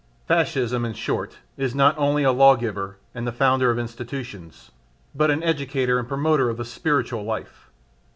Fascism, in short, is not only a lawgiver and the founder of institutions, but an educator and a promoter of the spiritual life.